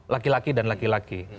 laki laki dan laki laki